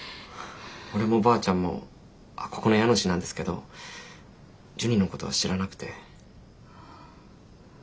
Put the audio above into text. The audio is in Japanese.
俺もばあちゃんもここの家主なんですけどジュニのことは知らなくて。